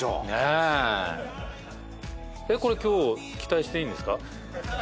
えっこれ今日期待していいんですか？